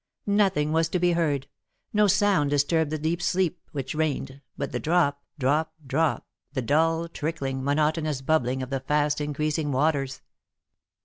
Nothing was to be heard, no sound disturbed the deep silence which reigned, but the drop, drop, drop, the dull, trickling, monotonous bubbling of the fast increasing waters.